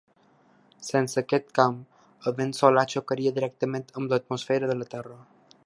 Sense aquest camp, el vent solar xocaria directament amb l'atmosfera de la Terra.